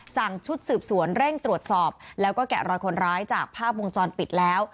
ชุดสืบสวนเร่งตรวจสอบแล้วก็แกะรอยคนร้ายจากภาพวงจรปิดแล้ว